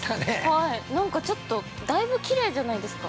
なんかちょっと、だいぶ、きれいじゃないですか。